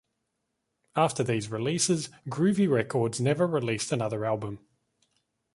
After these releases, Groovy Records never released another album.